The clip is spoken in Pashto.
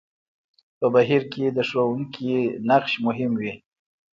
په بهير کې د ښوونکي نقش مهم وي.